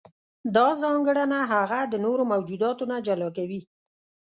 دا ځانګړنه هغه د نورو موجوداتو نه جلا کوي.